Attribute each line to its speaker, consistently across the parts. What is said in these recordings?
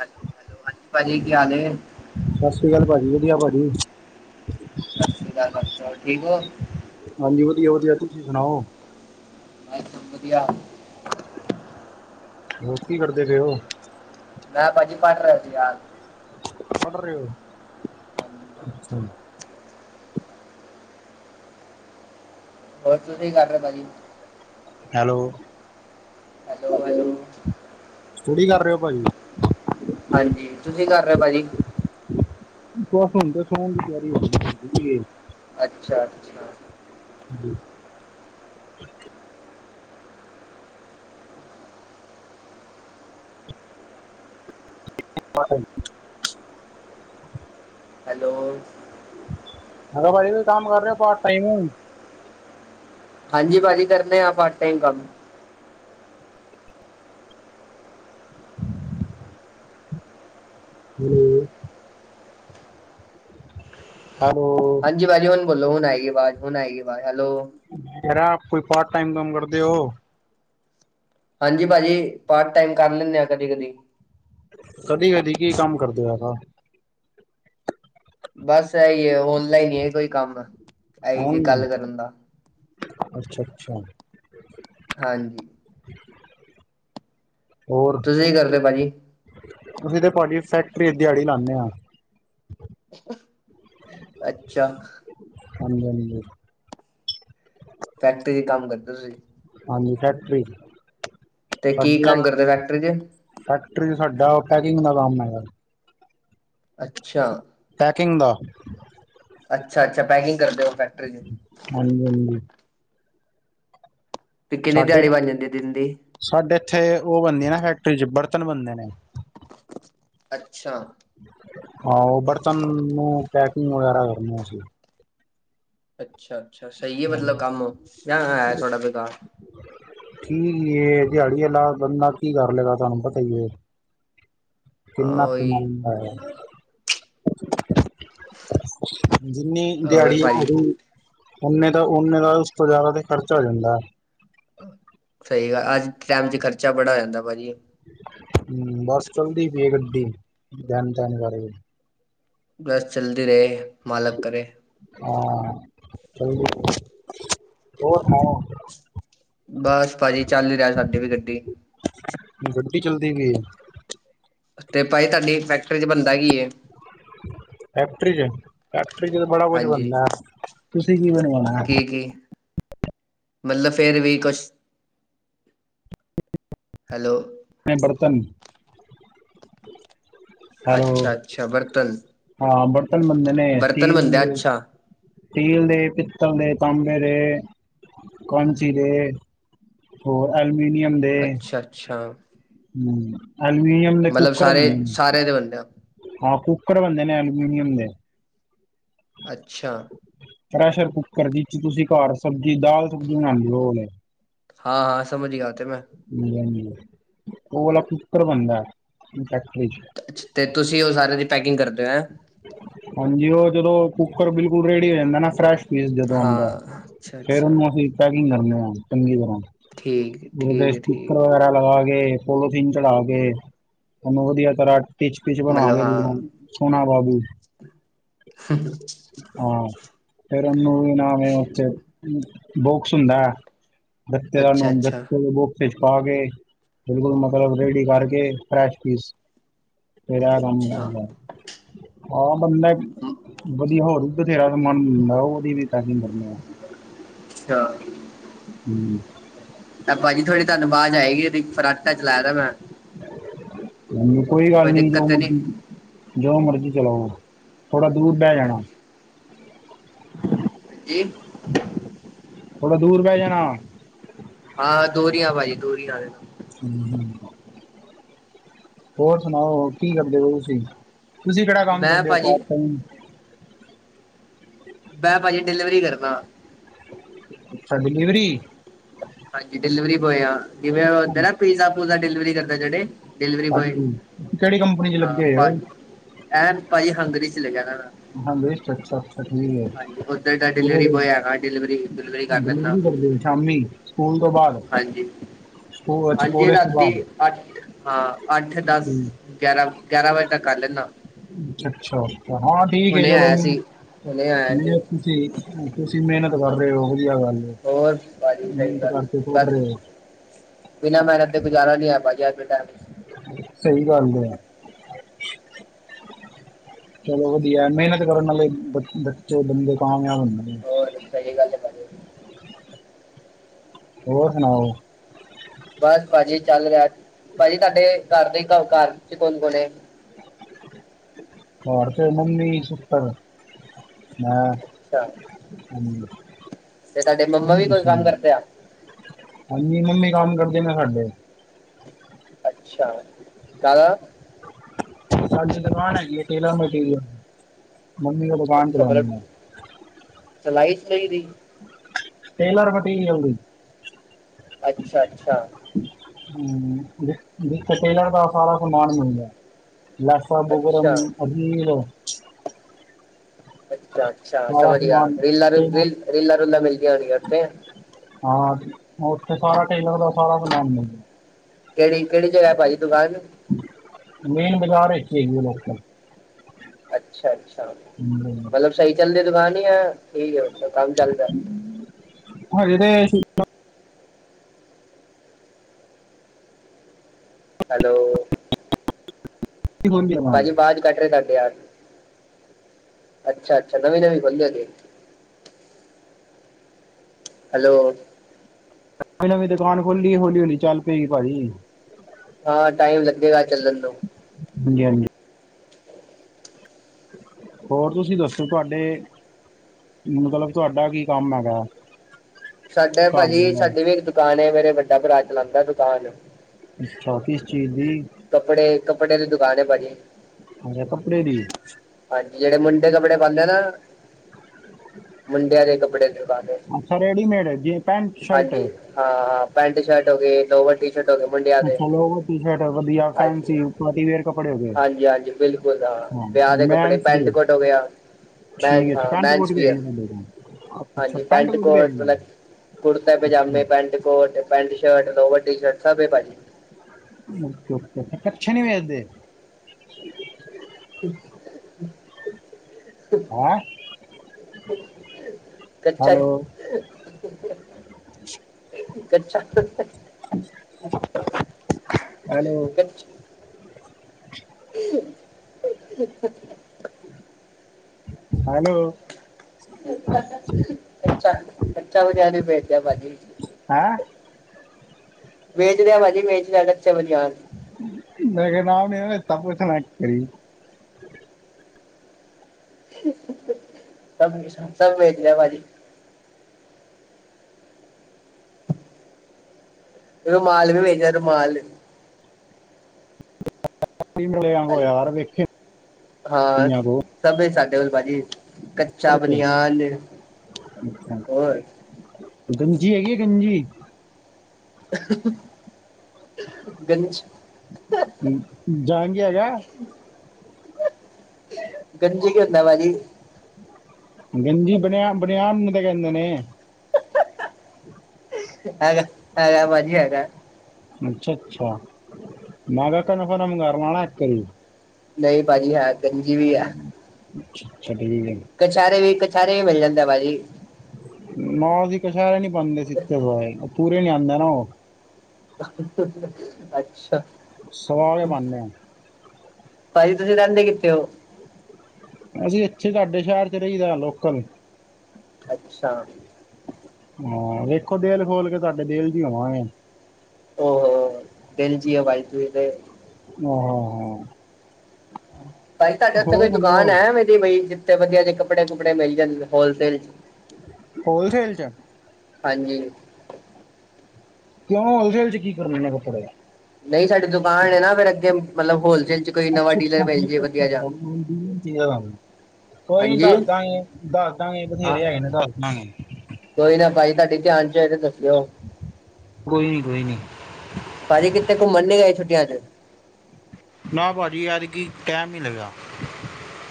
Speaker 1: Hello ਹਾਂਜੀ ਭਾਜੀ ਕੀ ਹਾਲ ਏ?
Speaker 2: ਸਤਿ ਸ੍ਰੀ ਅਕਾਲ ਭਾਜੀ ਵਧੀਆ ਭਾਜੀ।
Speaker 1: ਸਤਿ ਸ਼੍ਰੀ ਅਕਾਲ ਚਲ ਠੀਕ ਔ।
Speaker 2: ਹਾਂਜੀ ਵਧੀਆ ਵਧੀਆ, ਤੁਸੀਂ ਸੁਣਾਓ।
Speaker 1: ਇੱਕ ਦਮ ਵਧੀਆ।
Speaker 2: ਹੋਰ ਕੀ ਕਰਦੇ ਪਏ ਓ?
Speaker 1: ਮੈਂ ਭਾਜੀ ਪੜ੍ਹ ਰਿਆ ਸੀਗਾ।
Speaker 2: ਪੜ੍ਹ ਰੇ ਓ?
Speaker 1: ਹਾਂਜੀ।
Speaker 2: ਅੱਛਾ।
Speaker 1: ਹੋਰ ਤੁਸੀਂ ਕੀ ਕਰ ਰਹੇ ਭਾਜੀ।
Speaker 2: ਹੈਲੋ
Speaker 1: ਹੈਲੋ ਹੈਲੋ
Speaker 2: [unintelligible] ਸਟਡੀ ਕਰ ਰੇ ਓ ਭਾਜੀ?
Speaker 1: ਹਾਂਜੀ, ਤੁਸੀਂ ਕਰ ਰੇ ਓ ਭਾਜੀ।
Speaker 2: ਬਸ ਹੁਣ ਤੇ ਸੋਣ ਦੀ ਤਿਆਰੀ [unintelligible]
Speaker 1: ਅੱਛਾ।
Speaker 2: ਹਂ। [unintelligible]
Speaker 1: ਹੈਲੋ।
Speaker 2: ਹੈਲੋ ਭਾਜੀ ਕੋਈ ਕੰਮ ਕਰ ਰੇਓ ਪਾਰਟ ਟਾਈਮ
Speaker 1: ਹਾਂਜੀ ਭਾਜੀ ਕਰਦੇ ਆਂ ਪਾਰਟ ਟਾਈਮ ਕੰਮ
Speaker 2: [inaudible] ਹੈਲੋ,
Speaker 1: ਹਾਂਜੀ ਭਾਜੀ ਹੁਣ ਬੋਲੋ ਹੁਣ ਆਏਗੀ ਆਵਾਜ਼ ਹੁਣ ਆਏਗੀ ਵਾਜ਼।
Speaker 2: ਬਰਾ ਕੋਈ ਪਾਰਟ ਟਾਈਮ ਕੰਮ ਕਰਦੇ ਓ?
Speaker 1: ਹਾਂਜੀ, ਭਾਜੀ ਪਾਰਟ ਟਾਈਮ ਕਰ ਲੈਣੇ ਆ ਕਦੀ ਕਦੀ।
Speaker 2: ਕਦੀ ਕਦੀ ਕੀ ਕੰਮ ਕਰਦੇ ਓ ਐਸਾ
Speaker 1: ਬਸ ਐਈ ਐ ਔਨਲਾਈਨ ਈ ਕੋਈ ਕੰਮ। ਇਹੀ ਜੀ
Speaker 2: ਹੂੰ,
Speaker 1: ਗੱਲ ਕਰਨ ਦਾ
Speaker 2: ਅੱਛਾ ਅੱਛਾ
Speaker 1: ਹਾਂਜੀ।
Speaker 2: ਹੋਰ
Speaker 1: ਤੁਸੀਂ ਕੀ ਕਰਦੇ ਭਾਜੀ
Speaker 2: ਅਸੀਂ ਤੇ ਭਾਜੀ ਫੈਕਟਰੀ ਵਿੱਚ ਦਿਹਾੜੀ ਲਾਂਨੇ ਆ।
Speaker 1: ਅੱਛਾ।
Speaker 2: ਹਾਂਜੀ ਹਾਂਜੀ।
Speaker 1: ਫੈਕਟਰੀ ਚ ਕੰਮ ਕਰਦੇ ਓ ਤੁਸੀਂ।
Speaker 2: ਹਾਂਜੀ ਫੈਕਟਰੀ ਚ
Speaker 1: ਤੇ ਕੀ ਕੰਮ ਕਰਦੇ ਫੈਕਟਰੀ ਚ?
Speaker 2: ਫੈਕਟਰੀ ਚ ਸਾਡਾ ਪੈਕਿੰਗ ਦਾ ਕੰਮ ਹੈਗਾ।
Speaker 1: ਅੱਛਾ।
Speaker 2: ਪੈਕਿੰਗ ਦਾ।
Speaker 1: ਅੱਛਾ ਅੱਛਾ, ਪੈਕਿੰਗ ਕਰਦੇ ਓ ਫੈਕਟਰੀ ਚ।
Speaker 2: ਹਾਂਜੀ ਹਾਂਜੀ।
Speaker 1: ਤੇ ਕਿੰਨੀ
Speaker 2: ਸਾਡੇ
Speaker 1: ਦਿਹਾੜੀ ਬਣ ਜਾਂਦੀ ਐ ਦਿਨ ਦੀ।
Speaker 2: ਸਾਡੇ ਇੱਥੇ ਓ ਬਣਦੀ ਐ ਨਾ ਫੈਕਟਰੀ ਚ ਬਰਤਨ ਬਣਦੇ ਨੇ।
Speaker 1: ਅੱਛਾ।
Speaker 2: ਹਾਂ, ਉਹ ਬਰਤਨ ਨੂੰ ਪੈਕਿੰਗ ਵਗੈਰਾ ਕਰਨੇ ਅਸੀਂ।
Speaker 1: ਅੱਛਾ ਅੱਛਾ, ਸਈ ਐ
Speaker 2: ਹਾਂ,
Speaker 1: ਮਤਲਬ ਕੰਮ ਜਾਂ ਹੈ ਥੋੜਾ ਬੇਕਾਰ।
Speaker 2: ਠੀਕ ਏ ਦਿਹਾੜੀ ਵਾਲਾ ਬੰਦਾ ਕੀ ਕਰ ਲੇਗਾ ਤੁਹਾਨੂੰ ਪਤਾ ਈ ਏ।
Speaker 1: ਹਾਂ
Speaker 2: ਕਿੰਨਾਂ ਕਮਾ
Speaker 1: ਉਹੀ
Speaker 2: ਲੈਂਦਾ ਹੋਏਗਾ। ਜਿੰਨੀ
Speaker 1: ਹੋਰ
Speaker 2: ਦਿਹਾੜੀ
Speaker 1: ਭਾਜੀ
Speaker 2: ਹੈਗੀ ਓਨੇ ਦਾ ਓਨੇ ਦਾ ਉਸ ਤੋਂ ਜ਼ਿਆਦਾ ਤੇ ਖਰਚਾ ਹੋ ਜਾਂਦਾ।
Speaker 1: ਸਹੀ ਗੱਲ ਅੱਜ ਦੇ ਟਾਈਮ ਚ ਖਰਚਾ ਬੜਾ ਹੋ ਜਾਂਦਾ ਭਾਜੀ।
Speaker 2: ਹੂੰ, ਬਸ ਚੱਲਦੀ ਪਈ ਏ ਗੱਡੀ ਦਿਨ ਦਿਨ ਕਰਕੇ।
Speaker 1: ਬਸ ਚੱਲਦੀ ਰੇ ਮਾਲਕ ਕਰੇ
Speaker 2: ਹਾਂ ਚੱਲਦੀ ਰੇ ਹੋਰ ਸੁਣਾਓ?
Speaker 1: ਬਸ ਭਾਜੀ ਚੱਲ ਈ ਰਿਆ ਸਾਡੀ ਵੀ ਗੱਡੀ
Speaker 2: ਗੱਡੀ ਚੱਲਦੀ ਪਈ
Speaker 1: ਤੇ ਭਾਜੀ ਤੁਹਾਡੀ ਫੈਕਟਰੀ ਚ ਬਣਦਾ ਕੀ ਏ?
Speaker 2: ਫੈਕਟਰੀ ਚ ਫੈਕਟਰੀ ਚ ਤੇ ਬੜਾ ਕੁਛ ਬਣਦਾ ਤੁਸੀਂ ਕੀ ਬਣਵਾਣਾ
Speaker 1: ਕੀ-ਕੀ ਮਤਲਬ ਫੇਰ ਵੀ ਕੁਛ ਹੈਲੋ
Speaker 2: ਬਰਤਨ ਹੈਲੋ,
Speaker 1: ਅੱਛਾ ਅੱਛਾ ਬਰਤਨ
Speaker 2: ਹਾਂ ਬਰਤਨ ਬਨਦੇ ਨੇ
Speaker 1: ਬਰਤਨ
Speaker 2: ਸਟੀਲ
Speaker 1: ਬਣਦੇ ਆ।
Speaker 2: ਦੇ
Speaker 1: ਅੱਛਾ
Speaker 2: ਸਟੀਲ ਦੇ, ਪਿੱਤਲ ਦੇ, ਤਾਂਬੇ ਦੇ, ਕਾਂਸੀ ਦੇ ਹੋਰ ਐਲਮੀਨੀਅਮ
Speaker 1: ਅੱਛਾ-ਅੱਛਾ
Speaker 2: ਹੂੰ, ਐਲਮੀਨੀਅਮ ਦੇ ਕੂਕਰ
Speaker 1: ਹਰੇ ਹਰੇ ਬਣਦੇ ਉਹ
Speaker 2: ਹਾਂ ਕੁੱਕਰ ਬਣਦੇ ਨੇ, ਐਲਮੂਨੀਅਮ ਦੇ
Speaker 1: ਅੱਛਾ
Speaker 2: ਪ੍ਰੈਸ਼ਰ ਕੁੱਕਰ ਵਿੱਚ ਤੁਸੀਂ ਘਰ ਸਬਜ਼ੀ ਦਾਲ ਸਬਜ਼ੀ ਬਣਾਉਂਦੇ ਹੋਵੋਗੇ
Speaker 1: ਹਾਂ ਹਾਂ ਸਮਝ ਗਿਆ ਉਹ ਤੇ ਮੈਂ
Speaker 2: ਨਹੀਂ ਨ ਉਹ ਨਾ ਕੂਕਰ ਬਨਦਾ ਫੈਕਟਰੀ ਚ
Speaker 1: ਅੱਛਾ ਤੇ ਤੁਸੀਂ ਉਹ ਸਾਰਿਆਂ ਦੀ ਪੈਕਿੰਗ ਕਰਦੇ ਹੋ, ਹੈਂ
Speaker 2: ਹਾਂਜੀ, ਉਹ ਜਦੋਂ ਕੁੱਕਰ ਬਿਲਕੁਲ ਰੇਡੀ ਹੋ ਜਾਂਦਾ ਨਾ ਫਰੈਸ਼ ਪੀਸ ਜਦੋਂ ਆਉਂਦਾ,
Speaker 1: ਹਾਂ ਅੱਛਾ
Speaker 2: ਫੇਰ
Speaker 1: ਅੱਛਾ
Speaker 2: ਉਹਨੂੰ ਅਸੀਂ ਪੈਕਿੰਗ ਕਰਨੇ ਹਾਂ ਚੰਗੀ ਤਰ੍ਹਾਂ
Speaker 1: ਠੀਕ
Speaker 2: ਉਹਦੇ
Speaker 1: ਠੀਕ ਹੈ
Speaker 2: ਸਟੀਕਰ
Speaker 1: ਠੀਕ
Speaker 2: ਵਗੈਰਾ ਲਗਾ ਕੇ ਪੋਲੋਥੀਨ ਚੜਾ ਕੇ, ਉਹਨੂੰ ਵਧੀਆ ਤਰ੍ਹਾਂ ਟਿਚ ਪਿਚ ਬਣਾ
Speaker 1: ਮਤਲਬ
Speaker 2: ਕੇ
Speaker 1: ਹਾਂ
Speaker 2: ਸੋਹਨਾ ਬਾਬੂ ਹਾਂ ਫਿਰ ਉਹਨੂੰ ਵੀ ਨਾਵੇਂ ਉਥੇ
Speaker 1: ਅੱਛਾ
Speaker 2: ਬੋਕਸ ਹੁੰਦਾ ਗੱਤੇ ਦਾ
Speaker 1: ਅੱਛਾ
Speaker 2: ਗਤੇ ਵਿਚ ਪਾ ਕੇ ਬਿਲਕੁਲ ਮਤਲਬ ਰੇਡੀ ਕਰਕੇ ਫਰੈਸ਼ ਪੀਸ ਫਿਰ ਇਹ ਕੰਮ
Speaker 1: ਅੱਛਾ
Speaker 2: ਕਰਨਾ ਹਾਂ ਬੰਦਾ ਵਧੀਆ ਹੋ, ਬਥੇਰਾ ਮਾਲ ਹੁੰਦਾ ਉਹਦੀ ਵੀ ਤਾਂ ਕੀ ਪੇਂਕਿੰਗ ਆ।
Speaker 1: ਅੱਛਾ
Speaker 2: ਹਮ [inaudible]
Speaker 1: ਇਹ ਭਾਜੀ ਥੋੜ੍ਹੀ ਤੂਹਾਨੂੰ ਅਵਾਜ ਆਏਗੀ ਫਰਾਟਾ ਚਲਾਇਆ ਦਾ ਮੈਂ
Speaker 2: ਹ ਕੋਈ ਗੱਲ ਨੀ, ਜੋ ਮਰਜੀ ਜੋ ਮਰਜੀ ਚਲਾਉ ਥੋੜ੍ਹਾ ਦੂਰ ਬਹਿ ਜਾਣਾ
Speaker 1: ਜੀ
Speaker 2: ਥੋੜਾ ਦੂਰ ਬਹਿ ਜਾਣਾ
Speaker 1: ਹਾਂ ਦੂਰ ਆਂ ਭਾਜੀ ਦੂਰ ਆਂ ਉਹਦੇ ਤੋਂ
Speaker 2: [unintelligible] ਹੋਰ ਸੁਣਾਓ ਕੀ ਕਰਦੇ ਹੋ ਤੁਸੀਂ ਤੁਸੀਂ ਕਿਹੜਾ ਕੰਮ
Speaker 1: ਮੈਂ
Speaker 2: ਕਰਦੇ ਹੋ
Speaker 1: ਭਾਜੀ
Speaker 2: ਪਾਰਟ ਟਾਈਮ
Speaker 1: ਮੈਂ ਭਾਜੀ ਡਿਲਵਰੀ ਕਰਦਾ
Speaker 2: ਹਾਂਜੀ ਡਿਲਵਰੀ
Speaker 1: ਹਾਂਜੀ ਡਿਲਵਰੀ ਬੋਏ ਆ ਜਿਵੇਂ ਉਹ ਹੁੰਦੇ ਆ ਪੀਜ਼ਾ ਪੂਜਾ ਡਿਲੀਵਰੀ ਕਰਦਾ ਜਿਹੜੇ ਡਿਲੀਵਰੀ ਬੋਏ
Speaker 2: ਹਾਂਜੀ ਕਿਹੜੀ ਕੰਪਨੀ ਚ ਲੱਗੇ ਹੋਏ
Speaker 1: ਹਾਂ,
Speaker 2: ਹੋ?
Speaker 1: ਐ ਭਾਜੀ ਹੰਗਰੀ ਚ ਲਿਖਿਆ ਦਾ ਮੈ
Speaker 2: ਹਾਂਜੀ ਅੱਛਾ-ਅੱਛਾ ਠੀਕ ਹੈ
Speaker 1: ਹਾਂਜੀ ਉਧਰ ਦਾ
Speaker 2: ਹੋਰ
Speaker 1: ਡਿਲੀਵਰੀ ਬੋਏ ਹੈਗਾ ਡਿਲੀਵਰੀ ਡਿਲੀਵਰੀ ਕਰ ਲੈਂਦਾ
Speaker 2: ਡਿਲੀਵਰੀ ਕਰਦੇ ਸ਼ਾਮੀ ਸਕੂਲ ਤੋਂ ਬਾਅਦ
Speaker 1: ਹਾਂਜੀ
Speaker 2: ਸਕੂਲ ਅੱਛਾ
Speaker 1: ਹਾਂਜੀ
Speaker 2: ਕੋਲਜ ਤੋਂ
Speaker 1: ਰਾਤੀ
Speaker 2: ਬਾਅਦ
Speaker 1: ਅੱਠ ਹਾਂ ਅੱਠ ਦਸ ਗਿਆਰਾਂ- ਗਿਆਰਾਂ ਵਜੇ ਤੱਕ ਕਰ ਲੈਂਦਾ
Speaker 2: ਅੱਛਾ ਅੱਛਾ ਅੱਛਾ ਹਾਂ ਠੀਕ ਹੈ
Speaker 1: ਹੁਣੇ
Speaker 2: ਚਲੋ
Speaker 1: ਆਇਆ ਸੀ ਹੁਣੇ
Speaker 2: ਕੋਈ
Speaker 1: ਆਇਆ ਸੀ
Speaker 2: ਨੀ। ਤੇ ਤੁਸੀਂ ਮਿਹਨਤ ਕਰਦੇ ਰਹੇ ਹੋ ਵਧੀਆ ਗੱਲ ਹੈ।
Speaker 1: ਹੋਰ ਭਾਜੀ ਸਹੀ
Speaker 2: ਮਿਹਨਤ
Speaker 1: ਗੱਲ
Speaker 2: ਕਰਕੇ
Speaker 1: ਹੈ ਬਸ।
Speaker 2: ਪੜ ਰਹੇ ਹੋ
Speaker 1: ਬਿਨਾਂ ਮਿਹਨਤ ਦੇ ਗੁਜ਼ਾਰਾ ਨਹੀਂ ਹੈ ਭਾਜੀ ਅੱਜ ਦੇ ਟਾਈਮ 'ਚ।
Speaker 2: ਸਹੀ ਗੱਲ ਆਂ। ਚਲੋ ਵਧੀਆ ਮਿਹਨਤ ਕਰਨ ਨਾਲੇ ਬੱਚੇ ਬੰਦੇ ਕਾਮਯਾਬ ਹੁੰਦੇ ਨੇ।
Speaker 1: ਹੋਰ ਸਹੀ ਗੱਲ ਹੈ। ਭਾਜੀ
Speaker 2: ਹੋਰ ਸੁਣਾਓ।
Speaker 1: ਬਸ ਭਾਜੀ ਚੱਲ ਰਿਹਾ ਭਾਜੀ ਤੁਹਾਡੇ ਘਰ ਦੇ ਘਰ 'ਚ ਕੌਣ ਕੌਣ ਏ।
Speaker 2: ਘਰ ਤੇ ਮੰਮੀ ਤੇ ਸੁ ਹਾਂ,
Speaker 1: ਅੱਛਾ
Speaker 2: ਹੂੰ।
Speaker 1: ਤੇ ਤੁਹਾਡੇ ਮੰਮਾ ਵੀ ਕੋਈ ਕੰਮ ਕਰਦੇ ਆ
Speaker 2: ਹਾਂਜੀ ਮੰਮੀ ਕੰਮ ਕਰਦੇ ਨੇ ਨਾ ਘਰਦੇ।
Speaker 1: ਅੱਛਾ ਕਾਦਾ।
Speaker 2: ਸਾਡੀ ਦੁਕਾਨ ਹੈਗੀ ਨਾ ਜੀ ਵੱਡੀ, ਮੰਮੀ ਉਹ ਦੁਕਾਨ ਚਲਾਉਂਦੇ ਨੇ।
Speaker 1: ਸਲਾਈ ਸਿੱਖਾਈਦੀ।
Speaker 2: ਟੇਲਰ ਪੱਟੀ ਨਹੀਂ ਆਉਂਦੀ।
Speaker 1: ਅੱਛਾ ਅੱਛਾ।
Speaker 2: ਹੂੰ, ਜਿੱਥੇ ਟੇਲਰ ਦਾ ਸਾਰਾ ਸਮਾਨ ਮਿਲਦਾ। ਲੈਸਾਂ, ਬੂਕਰਮ,
Speaker 1: ਅੱਛਾ
Speaker 2: ਰੀਲ।
Speaker 1: ਅੱਛਾ, ਅੱਛਾ!
Speaker 2: ਸਾਰਾ
Speaker 1: ਸਮਝ ਗਿਆ
Speaker 2: ਸਮਾਨ
Speaker 1: ਰੀਲਾਂ
Speaker 2: ਟੇਲਰ
Speaker 1: ਰੀਲਾਂ ਰੁਲਾਂ ਮਿਲਦੀਆਂ ਹੋਣਗੀਆਂ ਉੱਥੇ।
Speaker 2: ਹਾਂ ਉੱਥੇ ਟੇਲਰ ਦਾ ਸਾਰਾ ਸਮਾਨ ਮਿਲਦਾ ਹੈ।
Speaker 1: ਕਿਹੜੀ, ਕਿਹੜੀ ਜਗ੍ਹਾ ਭਾਜੀ ਦੁਕਾਨ?
Speaker 2: ਮੇਨ ਬਾਜ਼ਾਰ ਇੱਥੇ ਹੈਗੀ ਲੋਕਲ।
Speaker 1: ਅੱਛਾ, ਅੱਛਾ,
Speaker 2: ਹਮ,
Speaker 1: ਮਤਲਬ ਸਹੀ ਚੱਲਦੀ ਹੈ ਦੁਕਾਨ ਜਾਂ, ਠੀਕ ਹੈ ਕੰਮ ਚੱਲਦਾ।
Speaker 2: ਹੂੰ ਹਜੇ ਤੇ ਅਸੀਂ।
Speaker 1: ਹੈਲੋ।
Speaker 2: ਖੋਲੀ ਆ ਦੁਕਾਨ
Speaker 1: ਭਾਜੀ ਆਵਾਜ਼ ਕੱਟ ਕੱਟ ਕੇ ਆ ਰਹੀ। ਅੱਛਾ, ਅੱਛਾ ਨਵੀਂ, ਨਵੀਂ ਖੋਲੀ ਹਜੇ। ਹੈਲੋ।
Speaker 2: ਨਵੀਂ, ਨਵੀ ਦੁਕਾਨ ਖੋਲੀ ਹੌਲੀ, ਹੌਲੀ ਚੱਲ ਪਏਗੀ ਭਾਜੀ।
Speaker 1: ਹਾਂ ਟਾਈਮ ਲੱਗੇਗਾ ਚੱਲਣ ਨੂੰ।
Speaker 2: ਹਾਂਜੀ, ਹਾਂਜੀ। ਹੋਰ ਤੁਸੀਂ ਦੱਸੋ ਤੁਹਾਡੇ, ਮਤਲਬ ਤੁਹਾਡਾ ਕੀ ਕੰਮ ਹੈਗਾ?
Speaker 1: ਸਾਡੇ
Speaker 2: ਘਰ
Speaker 1: ਭਾਜੀ
Speaker 2: ਦਾ
Speaker 1: ਸਾਡੀ ਵੀ ਇੱਕ ਦੁਕਾਨ ਹੈ ਮੇਰੇ ਵੱਡਾ ਭਰਾ ਚਲਾਉਂਦਾ ਦੁਕਾਨ।
Speaker 2: ਅੱਛਾ ਕਿਸ ਚੀਜ਼ ਦੀ।
Speaker 1: ਕੱਪੜੇ, ਕੱਪੜੇ ਦੀ ਦੁਕਾਨ ਹੈ ਭਾਜੀ‌।
Speaker 2: ਅੱਛਾ ਕੱਪੜੇ ਦੀ
Speaker 1: ਹਾਂਜੀ ਜਿਹੜੇ ਮੁੰਡੇ ਕੱਪੜੇ ਪਾਉਂਦੇ ਆ ਨਾ। ਮੁੰਡਿਆਂ ਦੇ ਕੱਪੜੇ ਦੀ ਦੁਕਾਨ ਹੈ,
Speaker 2: ਅੱਛਾ ਰੈਡੀਮੇਡ ਜਿਵੇਂ ਪੈਂਟ ਸ਼ਰਟ
Speaker 1: ਹਾਂਜੀ। ਹਾਂ, ਹਾਂ ਪੈਂਟ ਸ਼ਰਟ ਹੋ ਗਏ, ਲੋਵਰ ਟੀ ਸ਼ਰਟ ਹੋ ਗਏ, ਮੁੰਡਿਆਂ ਦੇ।
Speaker 2: ਅੱਛਾ ਲੋਵਰ ਟੀ ਸ਼ਰਟ ਵਧੀਆ
Speaker 1: ਹਾਂਜੀ,
Speaker 2: ਫੈਂਸੀ ਪਾਰਟੀ ਵੇਅਰ ਕੱਪੜੇ ਹੋ ਗਏ
Speaker 1: ਹਾਂਜੀ, ਹਾਂਜੀ ਬਿਲਕੁਲ ਹਾਂ ਵਿਆਹ ਦੇ ਕੱਪੜੇ
Speaker 2: ਮੈਨਸ
Speaker 1: ਪੈਂਟ
Speaker 2: ਦੇ
Speaker 1: ਕੋਟ। ਹੋ ਗਿਆ। ਮਨ
Speaker 2: ਠੀਕ ਹੈ ਅੱਛਾ
Speaker 1: ਹਾਂ
Speaker 2: ਪੈਂਟ
Speaker 1: ਮੈਨਸ
Speaker 2: ਕੋਟ ਵੀ ਹੈਗੇ
Speaker 1: ਵੀਅਰ
Speaker 2: ਨੇ ਤੁਹਾਡੇ ਕੋਲ ਅੱਛਾ
Speaker 1: ਹਾਂਜੀ ਪੈਂਟ
Speaker 2: ਵੀ ਹੈਗੇ
Speaker 1: ਕੋਟ। ਕੁੜਤੇ ਪਜਾਮੇ,
Speaker 2: ਨੇ
Speaker 1: pant coat, pant shirt, lower T shirt, ਸਭ ਹੈ ਭਾਜੀ।
Speaker 2: ਓਕੇ ਓਕੇ ਤੇ ਕੱਛੇ ਨਹੀਂ ਮਿਲਦੇ।
Speaker 1: ਹੂੰ।
Speaker 2: ਹੈਂ!
Speaker 1: ਕੱਛਾਂ!
Speaker 2: ਹੈਲੋ
Speaker 1: ਕੱਛਾਂ ਮਿਲ ਦਾ!
Speaker 2: ਹੈਲੋ।
Speaker 1: ਕੱਛਾ
Speaker 2: ਹੂੰ।
Speaker 1: ਅੱਛਾ।
Speaker 2: ਹੈਲੋ।
Speaker 1: ਕੱਛਾ! ਕੱਛਾ, ਬਨੇਣ ਵੀ ਵੇਚਦੇ ਆ ਭਾਜੀ।
Speaker 2: ਹੈਂ!
Speaker 1: ਵੇਚਦੇਆਂ ਭਾਜੀ, ਵੇਚਦੇਆਂ ਕੱਛੇ ਬਨੇਣ।
Speaker 2: ਮੈਂ ਕਹਿਣਾ ਮੇਰਾ [unintelligible]
Speaker 1: [unintelligible] ਸਭ ਵੇਚ ਲਿਆ ਭਾਜੀ। ਰੁਮਾਲ ਵੀ ਵੇਚ ਤਾਂ ਰੁਮਾਲ।
Speaker 2: [unintelligible] ਹੋਇਆ ਯਾਰ ਵੇਖੀ।
Speaker 1: ਹਾਂ, ਸਭ ਐ ਸਾਡੇ ਕੋਲ, ਭਾਜੀ ਕੱਛਾ ਬਨੀਆਨ।
Speaker 2: ਅੱਛਾ
Speaker 1: ਹੋਰ।
Speaker 2: ਗੰਜੀ ਹੈਗੀ ਏ ਗੰਜੀ।
Speaker 1: ਗੰਜ
Speaker 2: ਅ ਜਾਗੀ ਹੈਗਾ।
Speaker 1: ਗੰਜੀ ਕੀ ਹੁੰਦਾ ਭਾਜੀ।
Speaker 2: ਗੰਜੀ ਬਨਿਆ ਬਨਿਆਣ ਨੂੰ ਤਾਂ ਕਹਿੰਦੇ ਨੇ।
Speaker 1: ਹੈਗਾ ਹੈਗਾ ਭਾਜੀ ਹੈਗਾ।
Speaker 2: ਅੱਛਾ-ਅੱਛਾ, ਮੈਂ ਕਿਹਾ ਕਨਫਰਮ ਕਰਲਾ ਨਾ ਇੱਕ ਵਾਰੀ।
Speaker 1: ਨਹੀਂ ਭਾਜੀ ਹੈ ਗੰਜੀ ਵੀ ਐ।
Speaker 2: ਅੱਛਾ-ਅੱਛਾ ਠੀਕ। ਹੈ
Speaker 1: ਕਛਹਿਰੇ ਵੀ ਕਛਹਿਰੇ ਵੀ ਮਿਲ ਜਾਂਦੇ ਭਾਜੀ।
Speaker 2: ਨਾ ਜੀ ਕਛਹਿਰੇ ਨੀ ਪਾਂਦੇ [unintelligible] ਪੂਰੇ ਨੀ ਆਂਦਾ ਨਾ ਓ।
Speaker 1: ਅੱਛਾ।
Speaker 2: ਸਵਾ ਕੇ ਪਾਉਂਦੇ ਆ
Speaker 1: ਭਾਜੀ ਤੁਸੀਂ ਰਹਿੰਦੇ ਕਿੱਥੇ ਓ?
Speaker 2: ਅਸੀਂ ਇੱਥੇ ਤੁਹਾਡੇ ਸ਼ਹਿਰ ਚ ਰਹੀਦਾ ਲੋਕਲ।
Speaker 1: ਅੱਛਾ।
Speaker 2: ਹਾਂ, ਵੇਖੋ ਦਿਲ ਖੋਲ ਕੇ, ਤੁਹਾਡੇ ਦਿਲ ਚ ਈ ਹੋਵਾਂਗੇ।
Speaker 1: ਓ ਹੋ ਦਿਲ ਚ ਈ ਓ ਬਾਈ ਤੁਸੀਂ ਤੇ।
Speaker 2: ਹਾਂ ਹਾਂ ਹਾਂ।
Speaker 1: ਭਾਜੀ ਤੁਹਾਡੇ ਉੱਥੇ ਕੋਈ
Speaker 2: ਹੋ ਮਨੋ
Speaker 1: ਦੁਕਾਨ ਐ, ਐਵੇਂ ਦੀ ਵੀ ਜਿੱਥੇ ਵਧੀਆ, ਜੇ ਕੱਪੜੇ ਕੁੱਪੜੇ ਮਿਲ ਜਾਂਦੇ ਹੋਲਸੇਲ ਚ।
Speaker 2: ਹੋਲਸੇਲ ਚ।
Speaker 1: ਹਾਂਜੀ।
Speaker 2: ਤੁਸੀਂ ਹੋਲਸੇਲ ਚ ਕੀ ਕਰਨੇ ਨੇ ਕੱਪੜੇ।
Speaker 1: ਨਹੀਂ, ਸਾਡੀ ਦੁਕਾਨ ਐ ਨਾ ਫੇਰ ਅੱਗੇ, ਮਤਲਬ ਹੋਲਸੇਲ ਚ ਕੋਈ ਨਵਾਂ ਡੀਲਰ ਮਿਲ ਜੇ ਵਧੀਆ ਜਾ।
Speaker 2: ਹਾਂਜੀ [unintelligible] ਕੋਈ ਨੀ
Speaker 1: ਹਾਂਜੀ
Speaker 2: ਦੱਸ ਦਾਂਗੇ ਦੱਸ ਦਾਂਗੇ,
Speaker 1: ਹਾਂ
Speaker 2: ਬਥੇਰੇ ਹੈਗੇ ਨੇ ਦੱਸ ਦਾਂਗੇ।
Speaker 1: ਕੋਈ ਨਾ ਭਾਜੀ ਤੁਹਾਡੀ ਧਿਆਨ ਚ ਹੋਏ ਤੇ ਦੱਸਿਓ।
Speaker 2: ਕੋਈ ਨੀ ਕੋਈ ਨੀ।
Speaker 1: ਭਾਜੀ ਕਿਤੇ ਘੁੰਮਣ ਨੀ ਗਏ ਛੁੱਟੀਆਂ ਚ।
Speaker 2: ਨਾ ਭਾਜੀ, ਐਤਕੀ ਟੈਮ ਨੀ ਲੱਗਿਆ।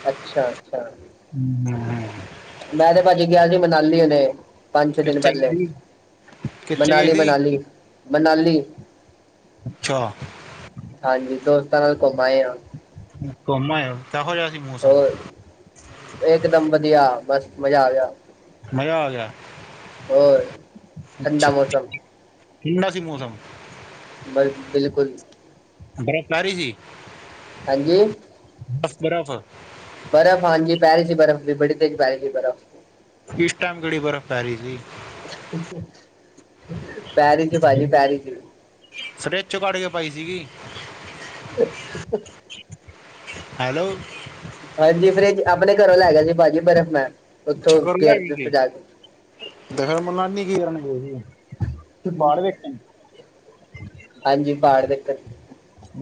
Speaker 1: ਅੱਛਾ-ਅੱਛਾ।
Speaker 2: ਹੂੰ ਹੂੰ।
Speaker 1: ਮੈਂ ਤੇ ਭਾਜੀ ਗਿਆ ਸੀ, ਮਨਾਲੀ ਹੁਨੇ। ਪੰਜ ਛੇ ਦਿਨ
Speaker 2: ਕਿੱਥੇ ਗਏ
Speaker 1: ਪਹਿਲੇ
Speaker 2: ਸੀ ਕਿੱਥੇ ਗਏ
Speaker 1: ਮਨਾਲੀ ਮਨਾਲੀ।
Speaker 2: ਸੀ
Speaker 1: ਮਨਾਲੀ
Speaker 2: ਅੱਛਾ
Speaker 1: ਹਾਂਜੀ, ਦੋਸਤਾਂ ਨਾਲ ਘੁੰਮ ਆਏ ਆ।
Speaker 2: ਘੁੰਮ ਆਏ ਓ ਕਿਹੋ ਜਾ ਸੀ ਮੌਸਮ?
Speaker 1: ਹੋਰ ਇੱਕਦਮ ਵਧੀਆ ਬਸ ਮਜ਼ਾ ਆਗਿਆ।
Speaker 2: ਮਜ਼ਾ ਆ ਗਿਆ
Speaker 1: ਹੋਰ ਠੰਡਾ
Speaker 2: ਅੱਛਾ
Speaker 1: ਮੌਸਮ।
Speaker 2: ਠੰਡਾ ਸੀ ਮੌਸਮ।
Speaker 1: ਬਾਈ ਬਿਲਕੁਲ।
Speaker 2: ਬਰਫ਼ ਪੈ ਰੀ ਜੀ।
Speaker 1: ਹਾਂਜੀ।
Speaker 2: ਬਰ ਬਰਫ
Speaker 1: ਬਰਫ਼ ਹਾਂਜੀ ਪੈ ਰੀ ਸੀ ਬਰਫ਼ ਵੀ ਬੜੀ ਤੇਜ਼ ਪੈ ਰੀ ਸੀ ਬਰਫ਼
Speaker 2: ਇਸ ਟਾਇਮ ਕਿਹੜੀ ਬਰਫ ਪੈ ਰੀ
Speaker 1: ਪੈ ਰੀ ਸੀ ਭਾਜੀ ਪੈ ਰੀ ਸੀ।
Speaker 2: ਫਰਿੱਜ਼ ਚੋ ਕੱਢ ਕੇ ਪਾਈ ਸੀਗੀ। ਹੈਲੋ।
Speaker 1: ਹਾਂਜੀ, ਫਰਿੱਜ਼ ਆਪਣੇ ਘਰੋਂ ਲੈ ਗਿਆ ਸੀ ਭਾਜੀ ਬਰਫ਼ ਮੈਂ ਉੱਥੋਂ
Speaker 2: ਛਕਰ ਲੈ
Speaker 1: ਗੇਰ
Speaker 2: ਗਈ
Speaker 1: ਤੀ ਓਥੇ
Speaker 2: ਕਿ
Speaker 1: ਜਾ ਕੇ
Speaker 2: ਤੇ ਫਿਰ ਮਨਾਲੀ ਕੀ ਕਰਨ ਗਏ ਸੀ ਪਹਾੜ ਵੇਖਣ?
Speaker 1: ਹਾਂਜੀ ਪਹਾੜ ਦੇਖਣ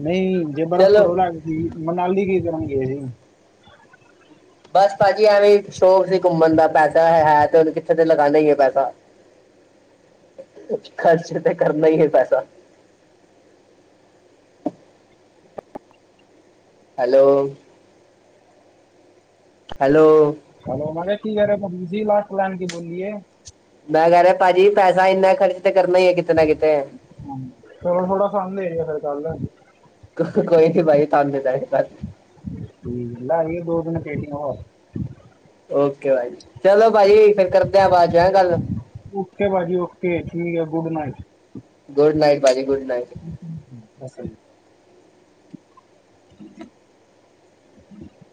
Speaker 2: ਨਈ, ਜੇ ਬਰਫ਼
Speaker 1: ਚਲੋ
Speaker 2: ਘਰੋਂ ਲੈ ਮਨਾਲੀ ਕੀ ਕਰਨ ਗਏ ਸੀ?
Speaker 1: ਬਸ ਭਾਜੀ ਐਵੇਂ ਸ਼ੌਂਕ ਸੀ ਘੁੰਮਣ ਦਾ ਪੈਸਾ ਹੈ ਤੇ ਉਹਨੂੰ ਕਿੱਥੇ ਤੇ ਲਗਾਨਾ ਈ ਐ ਪੈਸਾ।
Speaker 2: [unintelligible]
Speaker 1: ਖਰਚ ਤੇ ਕਰਨਾ ਈ ਐ ਪੈਸਾ। ਹੈਲੋ। ਹੈਲੋ।
Speaker 2: ਹੈਲੋ, ਮੈਂ ਕਿਹਾ ਕੀ ਕਹਿ ਰੇ ਓ ਤੁਸੀਂ ਲਾਸਟ ਲੈਨ ਕੀ ਬੋਲੀ ਏ।
Speaker 1: ਮੈਂ ਕਹਿ ਰਿਆ ਭਾਜੀ ਪੈਸਾ ਇੰਨਾ ਖਰਚ ਤੇ ਕਰਨਾ ਈ ਐ ਕਿਤੇ ਨਾ ਕਿਤੇ।
Speaker 2: ਚਲੋ ਥੋੜਾ ਸਾਨੂੰ ਦੇ ਦਿਓ ਫਿਰ ਕੱਲ।
Speaker 1: ਕੋਈ ਨੀ ਭਾਜੀ ਤੁਹਾਨੂੰ ਦੇ ਦਾਂਗੇ ਬਸ।
Speaker 2: ਲਿਆਈ ਦੋ ਤਿੰਨ ਪੇਟੀਆਂ ਹੋਰ।
Speaker 1: ਓਕੇ ਭਾਜੀ ਚਲੋ ਭਾਜੀ ਫਿਰ ਕਰਦਿਆਂ ਬਾਚੋਂ ਹੈ ਗੱਲ
Speaker 2: ਓਕੇ ਭਾਜੀ ਓਕੇ ਠੀਕ ਐ ਗੁਡ ਨਾਈਟ।
Speaker 1: ਗੁੱਡ ਨਾਈਟ ਭਾਜੀ ਗੁੱਡ ਨਾਈਟ।
Speaker 2: ਬਸ [unintelligible] [inaudible]